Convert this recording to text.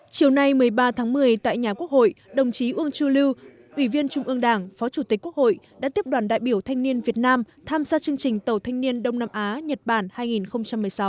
chiều nay một mươi ba tháng một mươi tại nhà quốc hội đồng chí uông chu lưu ủy viên trung ương đảng phó chủ tịch quốc hội đã tiếp đoàn đại biểu thanh niên việt nam tham gia chương trình tàu thanh niên đông nam á nhật bản hai nghìn một mươi sáu